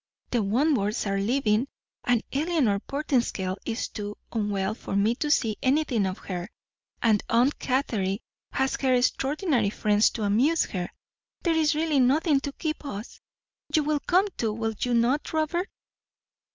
The Wentworths are leaving, and Eleanor Portinscale is too unwell for me to see anything of her, and Aunt Catherine has her extraordinary friends to amuse her; there is really nothing to keep us. You will come too, will you not, Robert?"